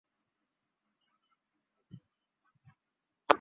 পরের দিন রমনা এলাকার একটি ফ্ল্যাট থেকে তাঁকে গ্রেপ্তার করে পুলিশ।